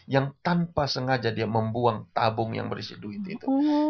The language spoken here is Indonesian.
yang tanpa sengaja dia membuang tabung yang berisi duit itu